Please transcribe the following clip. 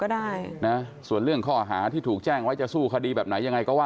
แต่เขาก็มีสิทธิ์ในการสู้คดีใช่ไหมคะ